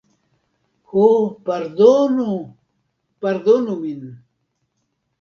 Ho, pardonu, pardonu min!